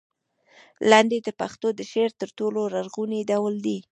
لنډۍ د پښتو د شعر تر ټولو لرغونی ډول دی.